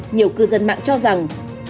nhiều cư dân mạng cho rằng